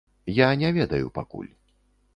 Я не ведаю пакуль.